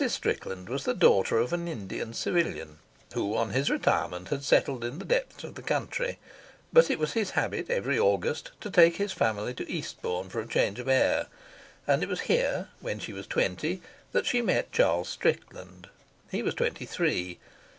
Strickland was the daughter of an Indian civilian, who on his retirement had settled in the depths of the country, but it was his habit every August to take his family to Eastbourne for change of air; and it was here, when she was twenty, that she met Charles Strickland. He was twenty three.